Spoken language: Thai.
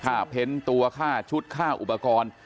เพ้นตัวค่าชุดค่าอุปกรณ์